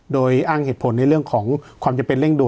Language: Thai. โดยอ้างเหตุผลในเรื่องของความจำเป็นเร่งดู